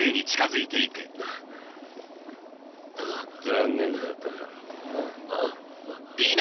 残念だったな。